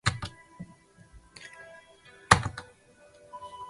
日记是以日期为排列顺序的笔记。